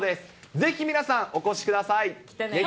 ぜひ皆さん、お越しください。